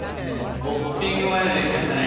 トッピングまで出来ちゃったね。